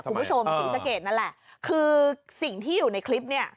คุณผู้ชมสีสะเกดนั่นแหละคือสิ่งที่อยู่ในคลิปเนี้ย